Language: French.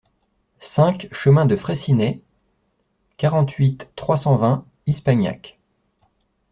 cinq chemin de Fraissinet, quarante-huit, trois cent vingt, Ispagnac